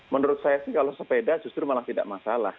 menurut saya sih kalau sepeda justru malah tidak masalah